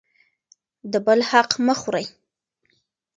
د بل حق مه خورئ.